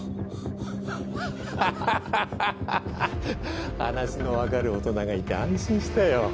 ハッハッハッハッハ話の分かる大人がいて安心したよ